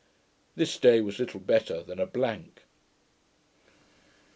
This day was little better than a blank.